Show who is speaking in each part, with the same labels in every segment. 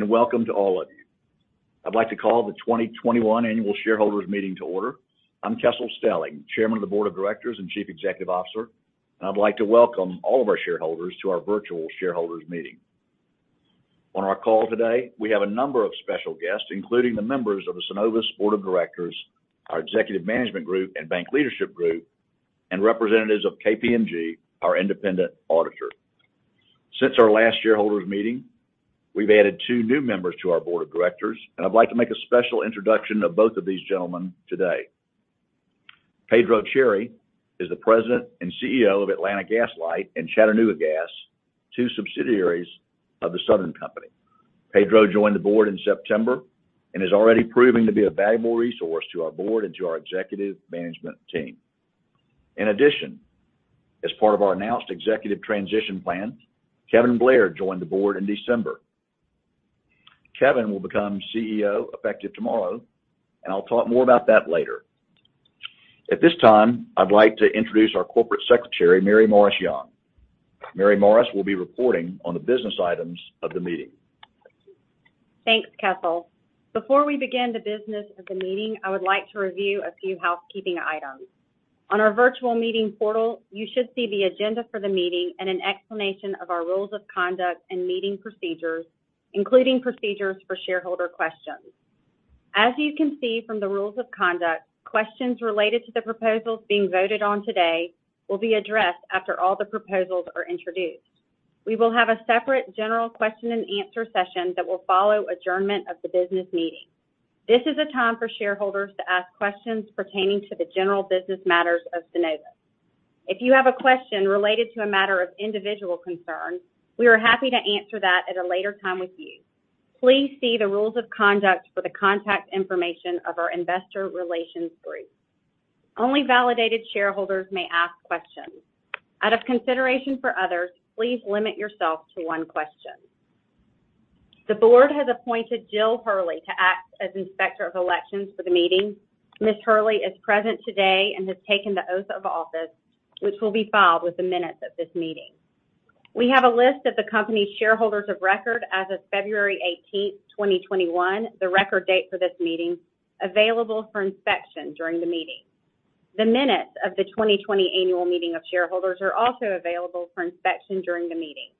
Speaker 1: Morning, welcome to all of you. I'd like to call the 2021 Annual Shareholders Meeting to order. I'm Kessel Stelling, Chairman of the Board of Directors and Chief Executive Officer, and I'd like to welcome all of our shareholders to our virtual shareholders meeting. On our call today, we have a number of special guests, including the members of the Synovus Board of Directors, our executive management group and bank leadership group, and representatives of KPMG, our independent auditor. Since our last shareholders meeting, we've added two new members to our board of directors, and I'd like to make a special introduction of both of these gentlemen today. Pedro Cherry is the President and CEO of Atlanta Gas Light and Chattanooga Gas, two subsidiaries of the Southern Company. Pedro joined the board in September and is already proving to be a valuable resource to our board and to our executive management team. In addition, as part of our announced executive transition plan, Kevin Blair joined the board in December. Kevin will become CEO effective tomorrow, and I'll talk more about that later. At this time, I'd like to introduce our Corporate Secretary, Mary Maurice Young. Mary Maurice will be reporting on the business items of the meeting.
Speaker 2: Thanks, Kessel. Before we begin the business of the meeting, I would like to review a few housekeeping items. On our virtual meeting portal, you should see the agenda for the meeting and an explanation of our rules of conduct and meeting procedures, including procedures for shareholder questions. As you can see from the rules of conduct, questions related to the proposals being voted on today will be addressed after all the proposals are introduced. We will have a separate general question and answer session that will follow adjournment of the business meeting. This is a time for shareholders to ask questions pertaining to the general business matters of Synovus. If you have a question related to a matter of individual concern, we are happy to answer that at a later time with you. Please see the rules of conduct for the contact information of our investor relations group. Only validated shareholders may ask questions. Out of consideration for others, please limit yourself to one question. The board has appointed Jill Hurley to act as Inspector of Elections for the meeting. Ms. Hurley is present today and has taken the oath of office, which will be filed with the minutes of this meeting. We have a list of the company's shareholders of record as of February 18th, 2021, the record date for this meeting, available for inspection during the meeting. The minutes of the 2020 Annual Meeting of Shareholders are also available for inspection during the meeting.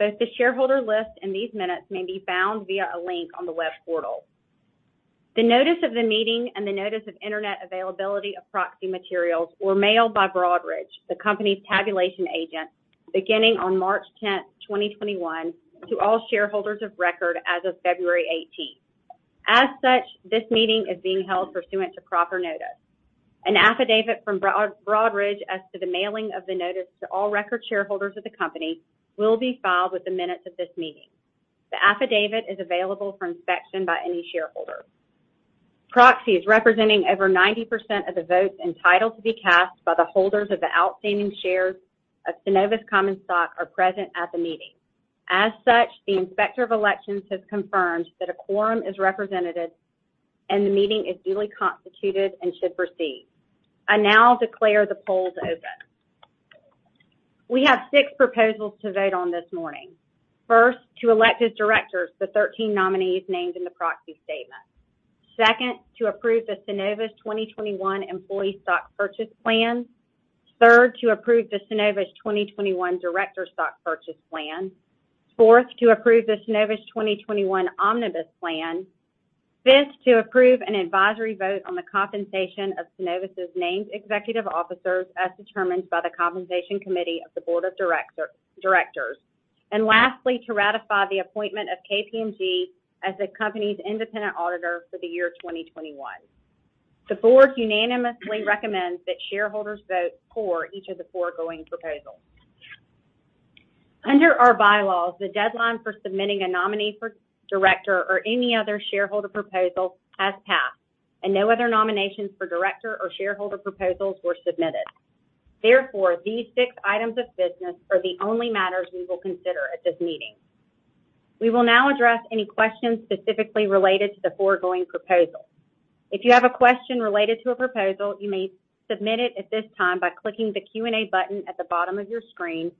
Speaker 2: Both the shareholder list and these minutes may be found via a link on the web portal. The Notice of the Meeting and the Notice of Internet Availability of Proxy Materials were mailed by Broadridge, the company's tabulation agent, beginning on March 10th, 2021, to all shareholders of record as of February 18th. As such, this meeting is being held pursuant to proper notice. An affidavit from Broadridge as to the mailing of the notice to all record shareholders of the company will be filed with the minutes of this meeting. The affidavit is available for inspection by any shareholder. Proxies representing over 90% of the votes entitled to be cast by the holders of the outstanding shares of Synovus common stock are present at the meeting. As such, the Inspector of Elections has confirmed that a quorum is represented, and the meeting is duly constituted and should proceed. I now declare the polls open. We have six proposals to vote on this morning. First, to elect as directors the 13 nominees named in the proxy statement. Second, to approve the Synovus 2021 Employee Stock Purchase Plan. Third, to approve the Synovus 2021 Director Stock Purchase Plan. Fourth, to approve the Synovus 2021 Omnibus Plan. Fifth, to approve an advisory vote on the compensation of Synovus' named executive officers as determined by the Compensation Committee of the Board of Directors. Lastly, to ratify the appointment of KPMG as the company's independent auditor for the year 2021. The board unanimously recommends that shareholders vote for each of the foregoing proposals. Under our bylaws, the deadline for submitting a nominee for director or any other shareholder proposal has passed, and no other nominations for director or shareholder proposals were submitted. Therefore, these six items of business are the only matters we will consider at this meeting. We will now address any questions specifically related to the foregoing proposals. If you have a question related to a proposal, you may submit it at this time by clicking the Q&A button at the bottom of your screen,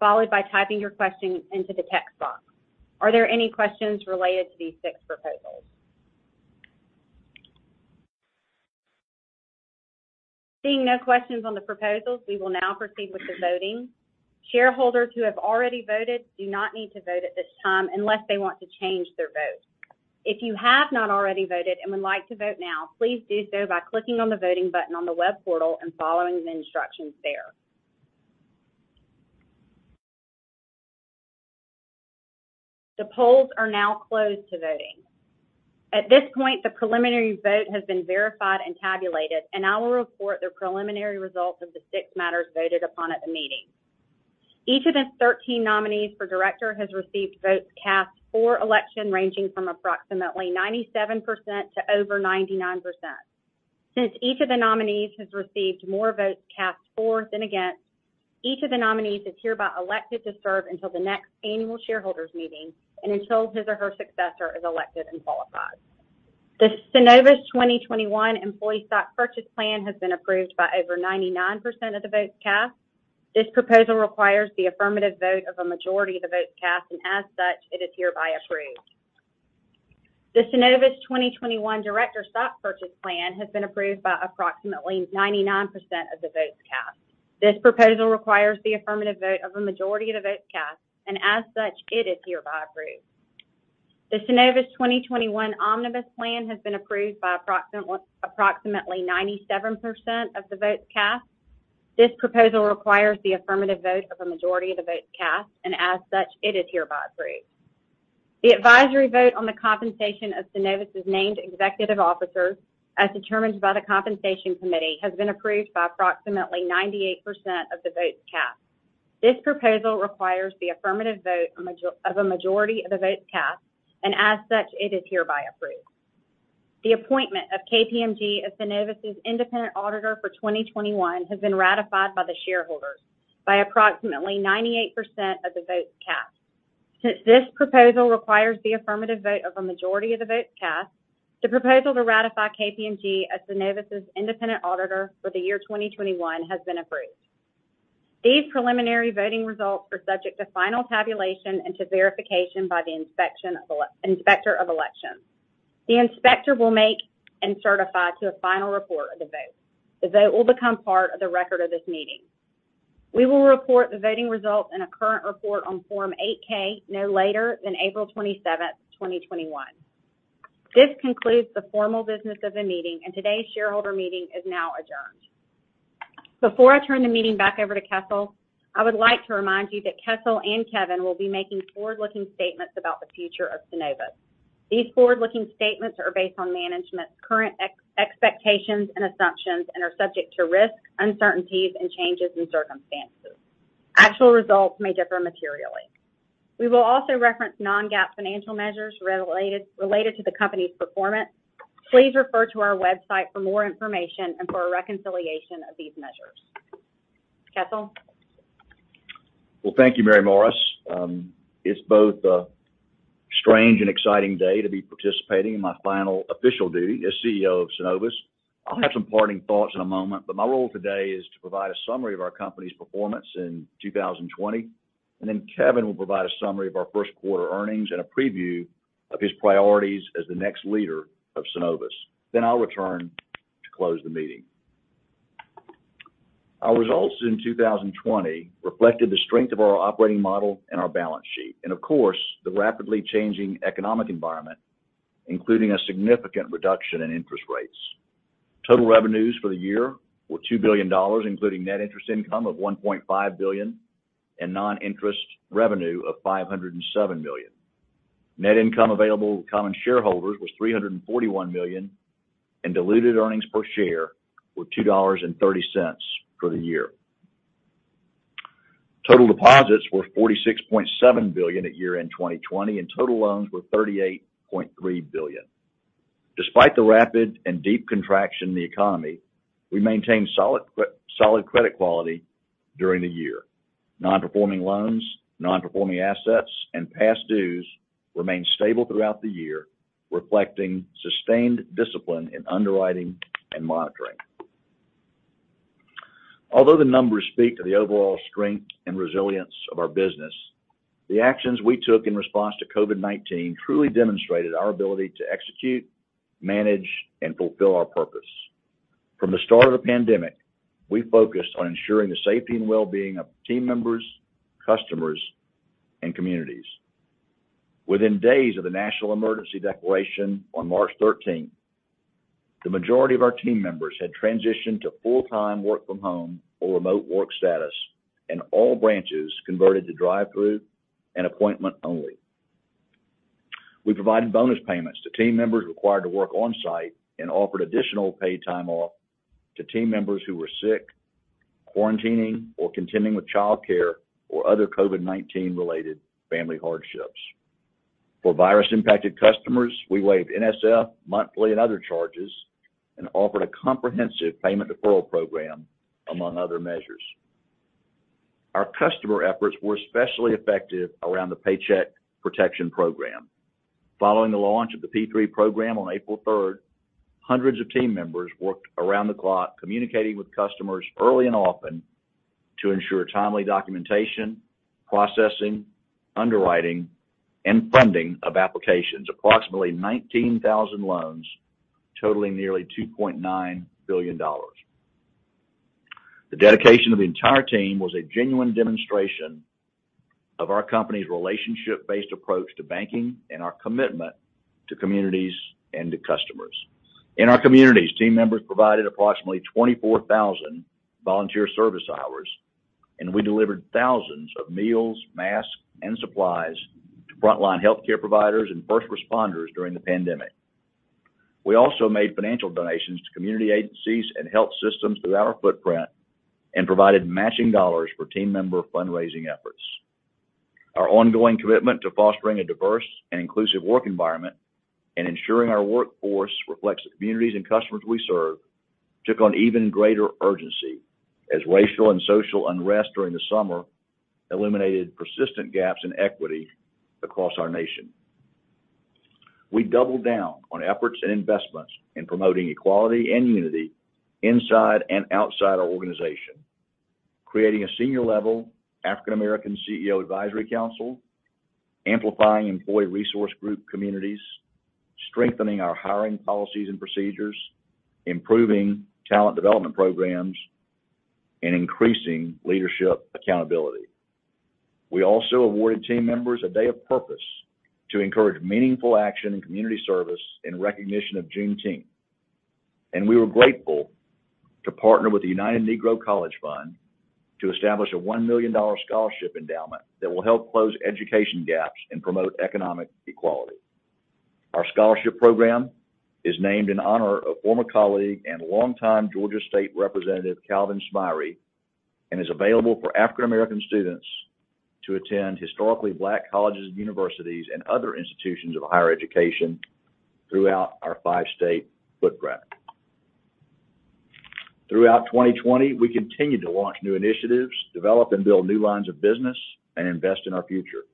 Speaker 2: followed by typing your question into the text box. Are there any questions related to these six proposals? Seeing no questions on the proposals, we will now proceed with the voting. Shareholders who have already voted do not need to vote at this time unless they want to change their vote. If you have not already voted and would like to vote now, please do so by clicking on the Voting button on the web portal and following the instructions there. The polls are now closed to voting. At this point, the preliminary vote has been verified and tabulated, and I will report the preliminary results of the six matters voted upon at the meeting. Each of the 13 nominees for director has received votes cast for election ranging from approximately 97% to over 99%. Since each of the nominees has received more votes cast for than against, each of the nominees is hereby elected to serve until the next annual shareholders meeting and until his or her successor is elected and qualifies. The Synovus 2021 Employee Stock Purchase Plan has been approved by over 99% of the votes cast. This proposal requires the affirmative vote of a majority of the votes cast, and as such, it is hereby approved. The Synovus 2021 Director Stock Purchase Plan has been approved by approximately 99% of the votes cast. This proposal requires the affirmative vote of a majority of the votes cast, and as such, it is hereby approved. The Synovus 2021 Omnibus Plan has been approved by approximately 97% of the votes cast. This proposal requires the affirmative vote of a majority of the votes cast, and as such, it is hereby approved. The advisory vote on the compensation of Synovus' named executive officers, as determined by the Compensation Committee, has been approved by approximately 98% of the votes cast. This proposal requires the affirmative vote of a majority of the votes cast, and as such, it is hereby approved. The appointment of KPMG as Synovus' independent auditor for 2021 has been ratified by the shareholders by approximately 98% of the votes cast. Since this proposal requires the affirmative vote of a majority of the votes cast, the proposal to ratify KPMG as Synovus' independent auditor for the year 2021 has been approved. These preliminary voting results are subject to final tabulation and to verification by the Inspector of Elections. The inspector will make and certify to a final report of the vote. The vote will become part of the record of this meeting. We will report the voting results in a current report on Form 8-K no later than April 27th, 2021. This concludes the formal business of the meeting, and today's shareholder meeting is now adjourned. Before I turn the meeting back over to Kessel, I would like to remind you that Kessel and Kevin will be making forward-looking statements about the future of Synovus. These forward-looking statements are based on management's current expectations and assumptions and are subject to risks, uncertainties, and changes in circumstances. Actual results may differ materially. We will also reference non-GAAP financial measures related to the company's performance. Please refer to our website for more information and for a reconciliation of these measures. Kessel?
Speaker 1: Well, thank you, Mary Maurice. It's both a strange and exciting day to be participating in my final official duty as CEO of Synovus. I'll have some parting thoughts in a moment, but my role today is to provide a summary of our company's performance in 2020, and then Kevin will provide a summary of our first quarter earnings and a preview of his priorities as the next leader of Synovus. I'll return to close the meeting. Our results in 2020 reflected the strength of our operating model and our balance sheet, and of course, the rapidly changing economic environment, including a significant reduction in interest rates. Total revenues for the year were $2 billion, including net interest income of $1.5 billion and non-interest revenue of $507 million. Net income available to common shareholders was $341 million, and diluted earnings per share were $2.30 for the year. Total deposits were $46.7 billion at year-end 2020, and total loans were $38.3 billion. Despite the rapid and deep contraction in the economy, we maintained solid credit quality during the year. Non-Performing Loans, Non-Performing Assets, and past dues remained stable throughout the year, reflecting sustained discipline in underwriting and monitoring. Although the numbers speak to the overall strength and resilience of our business, the actions we took in response to COVID-19 truly demonstrated our ability to execute, manage, and fulfill our purpose. From the start of the pandemic, we focused on ensuring the safety and well-being of team members, customers, and communities. Within days of the national emergency declaration on March 13th, the majority of our team members had transitioned to full-time work from home or remote work status, and all branches converted to drive-through and appointment only. We provided bonus payments to team members required to work on-site and offered additional paid time off to team members who were sick, quarantining, or contending with childcare or other COVID-19 related family hardships. For virus-impacted customers, we waived NSF, monthly, and other charges and offered a comprehensive payment deferral program, among other measures. Our customer efforts were especially effective around the Paycheck Protection Program. Following the launch of the PPP program on April 3rd, hundreds of team members worked around the clock, communicating with customers early and often to ensure timely documentation, processing, underwriting, and funding of applications, approximately 19,000 loans totaling nearly $2.9 billion. The dedication of the entire team was a genuine demonstration of our company's relationship-based approach to banking and our commitment to communities and to customers. In our communities, team members provided approximately 24,000 volunteer service hours, and we delivered thousands of meals, masks, and supplies to frontline healthcare providers and first responders during the pandemic. We also made financial donations to community agencies and health systems through our footprint and provided matching dollars for team member fundraising efforts. Our ongoing commitment to fostering a diverse and inclusive work environment and ensuring our workforce reflects the communities and customers we serve took on even greater urgency as racial and social unrest during the summer illuminated persistent gaps in equity across our nation. We doubled down on efforts and investments in promoting equality and unity inside and outside our organization, creating a senior level African American CEO advisory council, amplifying employee resource group communities, strengthening our hiring policies and procedures, improving talent development programs, and increasing leadership accountability. We also awarded team members a day of purpose to encourage meaningful action and community service in recognition of Juneteenth. We were grateful to partner with the United Negro College Fund to establish a $1 million scholarship endowment that will help close education gaps and promote economic equality. Our scholarship program is named in honor of former colleague and longtime Georgia State Representative Calvin Smyre, and is available for African American students to attend historically black colleges and universities and other institutions of higher education throughout our five-state footprint. Throughout 2020, we continued to launch new initiatives, develop and build new lines of business, and invest in our future.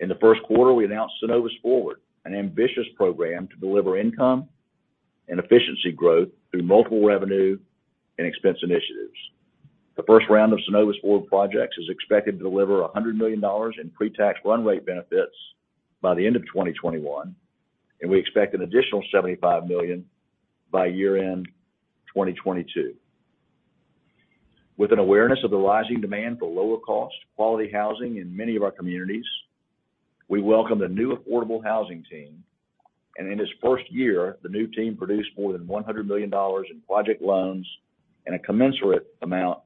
Speaker 1: In the first quarter, we announced Synovus Forward, an ambitious program to deliver income and efficiency growth through multiple revenue and expense initiatives. The first round of Synovus Forward projects is expected to deliver $100 million in pre-tax run rate benefits by the end of 2021. We expect an additional $75 million by year-end 2022. With an awareness of the rising demand for lower cost, quality housing in many of our communities, we welcomed a new affordable housing team. In its first year, the new team produced more than $100 million in project loans and a commensurate amount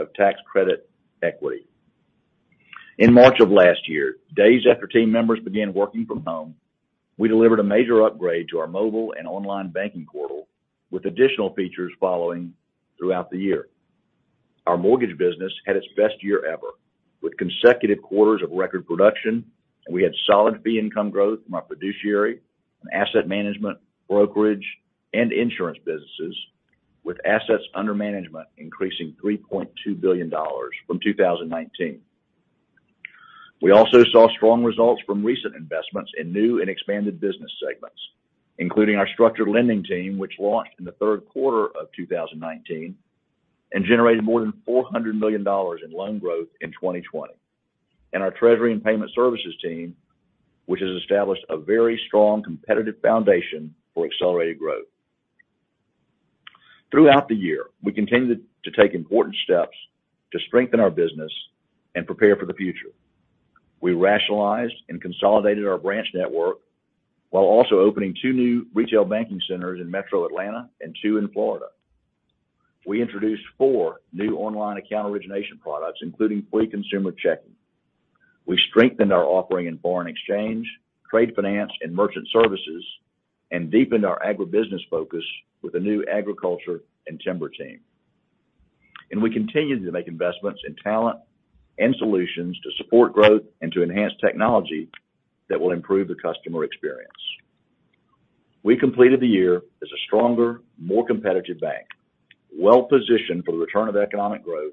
Speaker 1: of tax credit equity. In March of last year, days after team members began working from home, we delivered a major upgrade to our mobile and online banking portal with additional features following throughout the year. Our mortgage business had its best year ever, with consecutive quarters of record production. We had solid fee income growth from our fiduciary and asset management brokerage and insurance businesses, with assets under management increasing $3.2 billion from 2019. We also saw strong results from recent investments in new and expanded business segments, including our structured lending team, which launched in the third quarter of 2019 and generated more than $400 million in loan growth in 2020. Our treasury and payment services team, which has established a very strong competitive foundation for accelerated growth. Throughout the year, we continued to take important steps to strengthen our business and prepare for the future. We rationalized and consolidated our branch network, while also opening two new retail banking centers in metro Atlanta and two in Florida. We introduced four new online account origination products, including free consumer checking. We strengthened our offering in foreign exchange, trade finance, and merchant services, and deepened our agribusiness focus with a new agriculture and timber team. We continued to make investments in talent and solutions to support growth and to enhance technology that will improve the customer experience. We completed the year as a stronger, more competitive bank, well-positioned for the return of economic growth,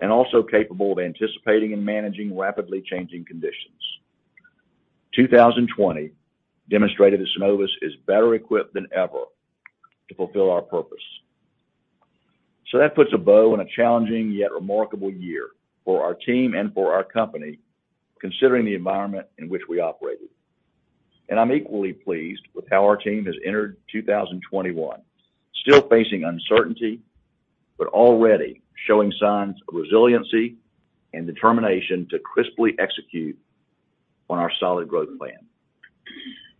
Speaker 1: and also capable of anticipating and managing rapidly changing conditions. 2020 demonstrated that Synovus is better equipped than ever to fulfill our purpose. That puts a bow on a challenging yet remarkable year for our team and for our company, considering the environment in which we operated. I'm equally pleased with how our team has entered 2021, still facing uncertainty, but already showing signs of resiliency and determination to crisply execute on our solid growth plan.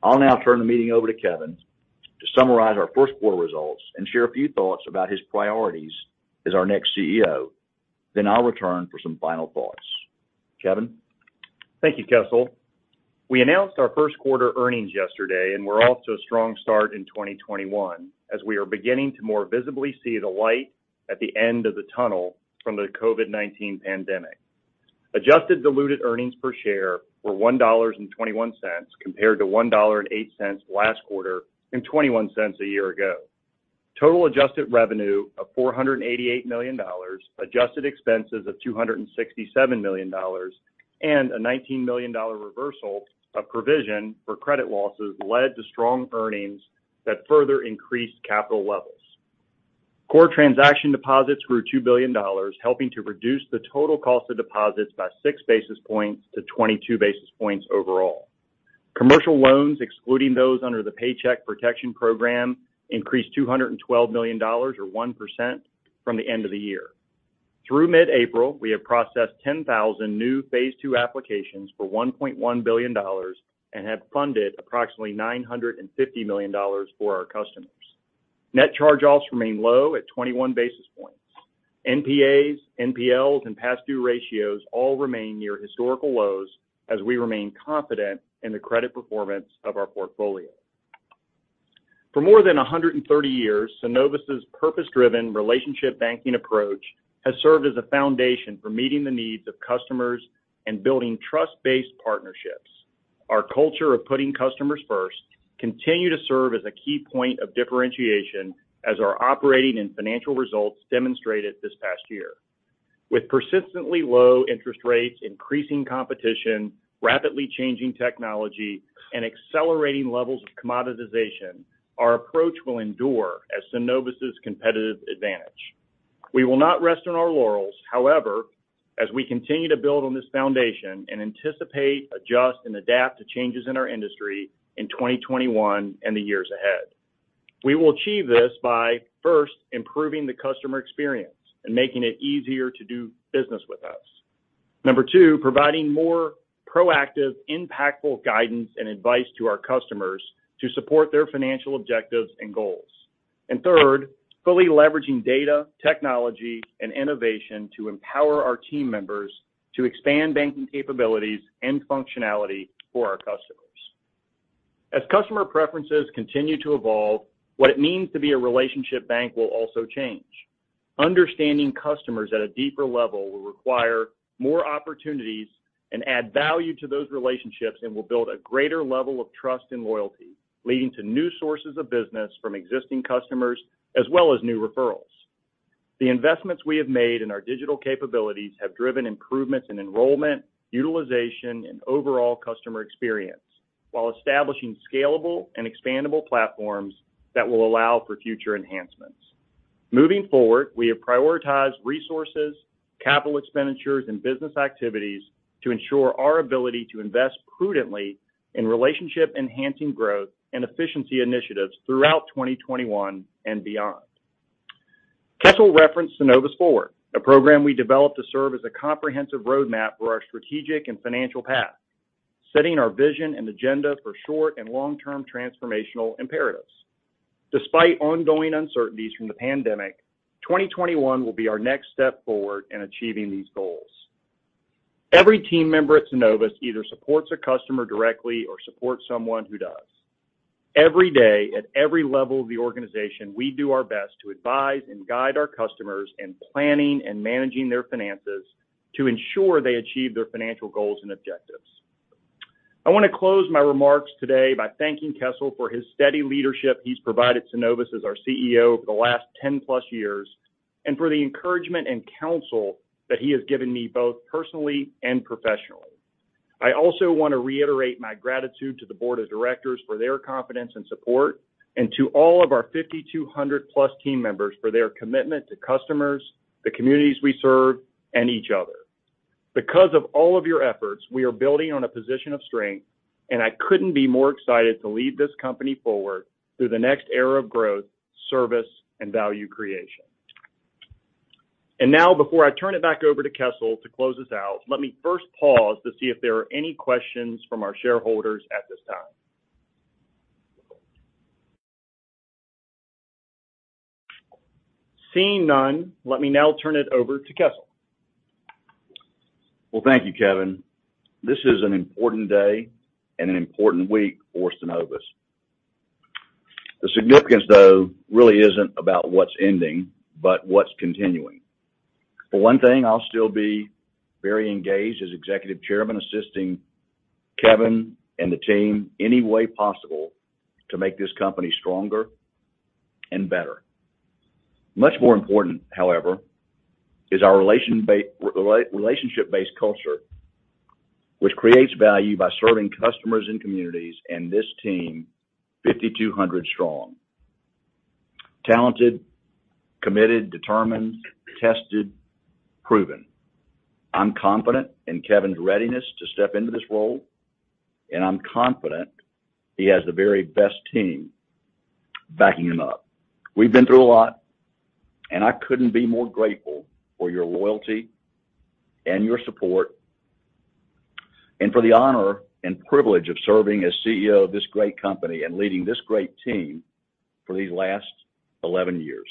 Speaker 1: I'll now turn the meeting over to Kevin to summarize our first quarter results and share a few thoughts about his priorities as our next CEO. I'll return for some final thoughts. Kevin?
Speaker 3: Thank you, Kessel. We announced our first quarter earnings yesterday, and we're off to a strong start in 2021, as we are beginning to more visibly see the light at the end of the tunnel from the COVID-19 pandemic. Adjusted diluted earnings per share were $1.21 compared to $1.08 last quarter and $0.21 a year ago. Total adjusted revenue of $488 million, adjusted expenses of $267 million, and a $19 million reversal of provision for credit losses led to strong earnings that further increased capital levels. Core transaction deposits grew $2 billion, helping to reduce the total cost of deposits by six basis points to 22 basis points overall. Commercial loans, excluding those under the Paycheck Protection Program, increased $212 million or 1% from the end of the year. Through mid-April, we have processed 10,000 new phase two applications for $1.1 billion and have funded approximately $950 million for our customers. Net charge-offs remain low at 21 basis points. NPAs, NPLs, and past due ratios all remain near historical lows as we remain confident in the credit performance of our portfolio. For more than 130 years, Synovus's purpose-driven relationship banking approach has served as a foundation for meeting the needs of customers and building trust-based partnerships. Our culture of putting customers first continue to serve as a key point of differentiation as our operating and financial results demonstrated this past year. With persistently low interest rates, increasing competition, rapidly changing technology, and accelerating levels of commoditization, our approach will endure as Synovus's competitive advantage. We will not rest on our laurels, however, as we continue to build on this foundation and anticipate, adjust, and adapt to changes in our industry in 2021 and the years ahead. We will achieve this by, first, improving the customer experience and making it easier to do business with us. Number two, providing more proactive, impactful guidance and advice to our customers to support their financial objectives and goals. Third, fully leveraging data, technology, and innovation to empower our team members to expand banking capabilities and functionality for our customers. As customer preferences continue to evolve, what it means to be a relationship bank will also change. Understanding customers at a deeper level will require more opportunities and add value to those relationships and will build a greater level of trust and loyalty, leading to new sources of business from existing customers, as well as new referrals. The investments we have made in our digital capabilities have driven improvements in enrollment, utilization, and overall customer experience while establishing scalable and expandable platforms that will allow for future enhancements. Moving forward, we have prioritized resources, capital expenditures, and business activities to ensure our ability to invest prudently in relationship-enhancing growth and efficiency initiatives throughout 2021 and beyond. Kessel referenced Synovus Forward, a program we developed to serve as a comprehensive roadmap for our strategic and financial path, setting our vision and agenda for short and long-term transformational imperatives. Despite ongoing uncertainties from the pandemic, 2021 will be our next step forward in achieving these goals. Every team member at Synovus either supports a customer directly or supports someone who does. Every day, at every level of the organization, we do our best to advise and guide our customers in planning and managing their finances to ensure they achieve their financial goals and objectives. I want to close my remarks today by thanking Kessel for his steady leadership he's provided Synovus as our CEO over the last 10+ years, and for the encouragement and counsel that he has given me both personally and professionally. I also want to reiterate my gratitude to the board of directors for their confidence and support, and to all of our 5,200+ team members for their commitment to customers, the communities we serve, and each other. Because of all of your efforts, we are building on a position of strength, and I couldn't be more excited to lead this company forward through the next era of growth, service, and value creation. Now, before I turn it back over to Kessel to close us out, let me first pause to see if there are any questions from our shareholders at this time. Seeing none, let me now turn it over to Kessel.
Speaker 1: Well, thank you, Kevin. This is an important day and an important week for Synovus. The significance, though, really isn't about what's ending but what's continuing. For one thing, I'll still be very engaged as Executive Chairman, assisting Kevin and the team any way possible to make this company stronger and better. Much more important, however, is our relationship-based culture, which creates value by serving customers and communities and this team 5,200 strong. Talented, committed, determined, tested, proven. I'm confident in Kevin's readiness to step into this role, and I'm confident he has the very best team backing him up. We've been through a lot, and I couldn't be more grateful for your loyalty and your support, and for the honor and privilege of serving as CEO of this great company and leading this great team for these last 11 years.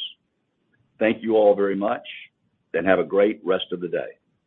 Speaker 1: Thank you all very much, and have a great rest of the day.